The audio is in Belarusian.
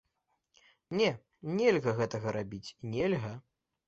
Не, нельга гэтага рабіць, нельга.